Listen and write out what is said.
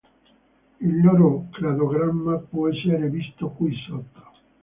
Il loro cladogramma può essere visto qui sotto.